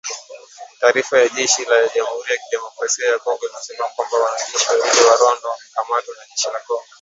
Taarifa ya jeshi la Jamhuri ya Kidemokrasia ya Kongo imesema kwamba wanajeshi wawili wa Rwanda wamekamatwa na jeshi la Kongo